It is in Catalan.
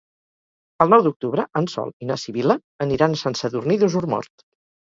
El nou d'octubre en Sol i na Sibil·la aniran a Sant Sadurní d'Osormort.